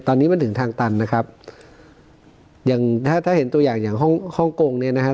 ตอนนี้มันถึงทางตันนะครับอย่างถ้าถ้าเห็นตัวอย่างอย่างห้องฮ่องกงเนี่ยนะครับ